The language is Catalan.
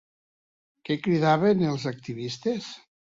Què cridaven els activistes?